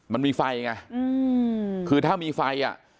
มันมีไฟไงคือถ้ามีไฟอ่ะ